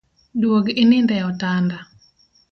Duog inindi e otanda